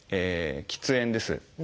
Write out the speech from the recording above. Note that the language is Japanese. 喫煙です。